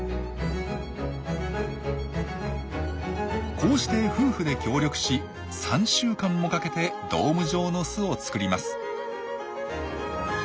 こうして夫婦で協力し３週間もかけてドーム状の巣を作ります。